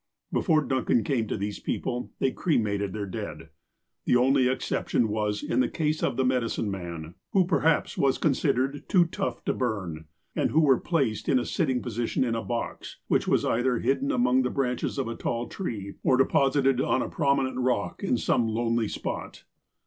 Before Duncan came to these people, they cremated their dead. The only exception was in the case of the medicine men, who perhaps were considered too tough to burn, and who were placed in a sitting position in a box, which was either hidden among the branches of a tall tree, or deposited on a prominent rock in some lonely spot.